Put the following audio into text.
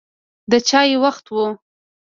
د چای وخت و.